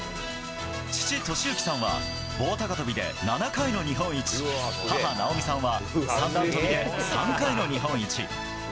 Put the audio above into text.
父・利行さんは棒高跳びで７回の日本一母・直美さんは三段跳びで３回の日本一。